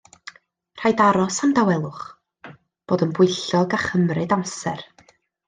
Rhaid aros am dawelwch, bod yn bwyllog a chymryd amser